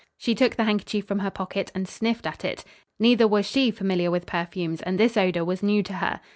She took the handkerchief from her pocket and sniffed at it. Neither was she familiar with perfumes, and this odor was new to her.